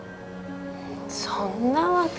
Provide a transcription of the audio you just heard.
そんなわけ。